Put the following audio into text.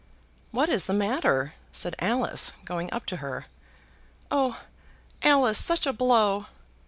"What is the matter?" said Alice, going up to her. "Oh, Alice, such a blow!"